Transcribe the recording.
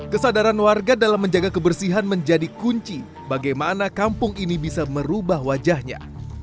kesadaran warga dalam menjaga kebersihan menjadi kunci bagaimana kampung ini bisa merubah wajahnya